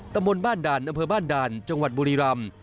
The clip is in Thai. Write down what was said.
ตำบลบ้านด่านอำเภอบ้านด่านจังหวัดบุรีรำ